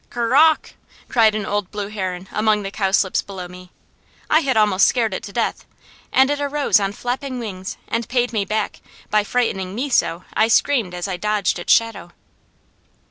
"Ker awk!" cried an old blue heron among the cowslips below me. I had almost scared it to death, and it arose on flapping wings and paid me back by frightening me so I screamed as I dodged its shadow.